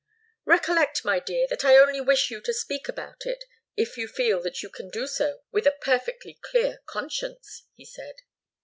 "Recollect, my dear, that I only wish you to speak about it, if you feel that you can do so with a perfectly clear conscience," he said.